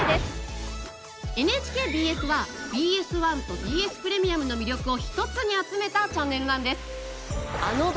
ＮＨＫＢＳはＢＳ１とＢＳプレミアムの魅力を一つに集めたチャンネルなんです。